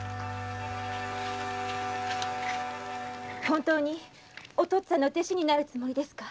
本当にお父っつぁんの弟子になるつもりですか？